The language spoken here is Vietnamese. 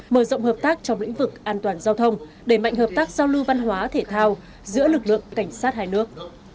mở rộng hợp tác trong lĩnh vực an toàn giao thông đẩy mạnh hợp tác giao lưu văn hóa thể thao giữa lực lượng cảnh sát hai nước